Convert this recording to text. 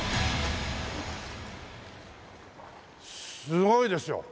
すごいですよ！